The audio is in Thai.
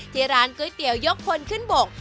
ที่ร้านก๋วยเตี๋ยวยกพลขึ้นบก